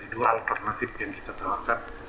dua alternatif yang kita telahkan